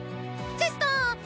チェスト−！